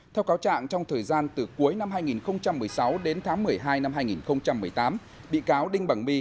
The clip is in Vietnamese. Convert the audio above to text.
theo cáo trạng trong thời gian từ cuối năm hai nghìn một mươi sáu đến tháng một mươi hai năm hai nghìn một mươi tám bị cáo đinh bằng my